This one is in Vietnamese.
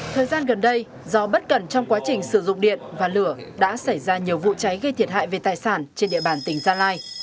thời gian gần đây do bất cẩn trong quá trình sử dụng điện và lửa đã xảy ra nhiều vụ cháy gây thiệt hại về tài sản trên địa bàn tỉnh gia lai